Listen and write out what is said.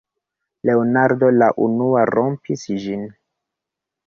Leonardo la unua rompis ĝin: